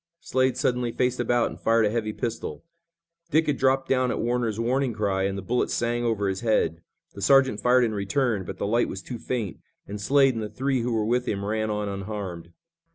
Slade suddenly faced about and fired a heavy pistol. Dick had dropped down at Warner's warning cry and the bullet sang over his head. The sergeant fired in return, but the light was too faint, and Slade and the three who were with him ran on unharmed.